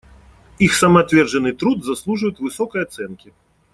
Их самоотверженный труд заслуживает высокой оценки.